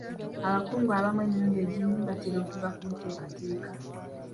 Abakungu abamu emirundi egisinga batera okuva ku nteekateeka.